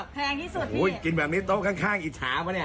แพงที่สุดอุ้ยกินแบบนี้โต๊ะข้างอิจฉาปะเนี่ย